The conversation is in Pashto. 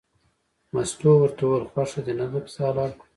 مستو ورته وویل خوښه دې نه ده پسه حلال کړو.